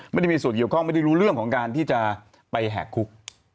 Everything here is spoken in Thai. ไม่ได้มีส่วนเกี่ยวข้องไม่ได้รู้เรื่องของการที่จะไปแหกคุก